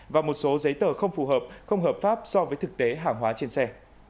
và một số giấy tờ không phù hợp không hợp pháp so với thực tế hàng hóa trên xe